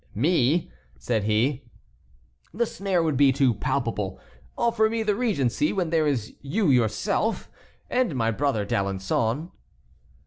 "Me?" said he; "the snare would be too palpable; offer me the regency when there is you yourself and my brother D'Alençon?"